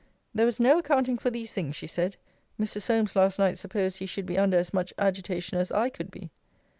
There was no accounting for these things, she said. Mr. Solmes last night supposed he should be under as much agitation as I could be.